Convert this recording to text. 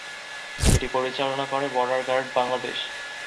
এটি পরিচালনা করে বর্ডার গার্ড বাংলাদেশ।